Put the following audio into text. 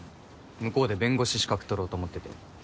向こうで弁護士資格取ろうと思ってて。